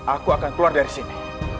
aku akan keluar dari sini